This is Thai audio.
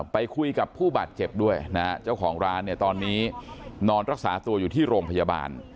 ไปคุยกับผู้บาดเจ็บด้วยนะฮะเจ้าของร้านเนี่ยตอนนี้นอนรักษาตัวอยู่ที่โรงพยาบาล